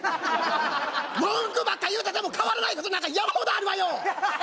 文句ばっか言うてても変わらないことなんか山ほどあるわよ！